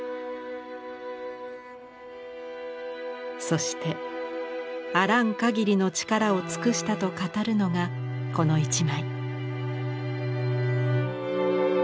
そして「あらんかぎりの力を尽くした」と語るのがこの一枚。